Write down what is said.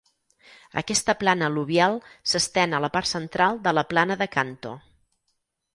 Aquesta plana al·luvial s'estén a la part central de la plana de Kanto.